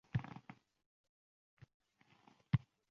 Ajab yigit eding buxoriy tal’at